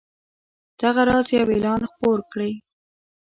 دغه راز یو اعلان خپور کړئ.